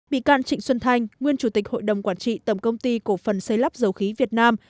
bị can trịnh xuân thanh nguyên chủ tịch hội đồng quản trị tầm công ty cổ phần xây lắp dầu khí việt nam